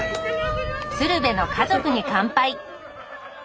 「鶴瓶の家族に乾杯」。